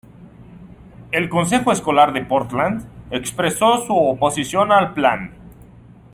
El Consejo escolar de Portland expresó su oposición al plan.